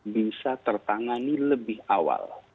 bisa tertangani lebih awal